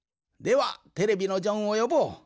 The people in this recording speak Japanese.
ではテレビのジョンをよぼう。